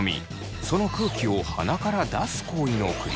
その空気を鼻から出す行為の繰り返しです。